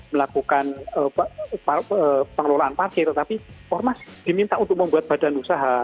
melakukan pengelolaan parkir tetapi ormas diminta untuk membuat badan usaha